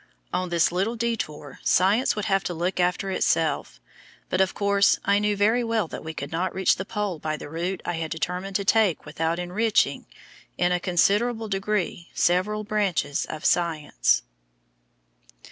On this little détour science would have to look after itself; but of course I knew very well that we could not reach the Pole by the route I had determined to take without enriching in a considerable degree several branches of science.